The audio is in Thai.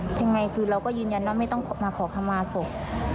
เป็นอย่างไรคือเราอ้อกยืนยัยไม่ต้องมาขอขมาสก